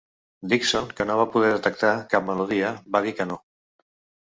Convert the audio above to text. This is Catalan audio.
Dickson, que no va poder detectar cap melodia, va dir que no.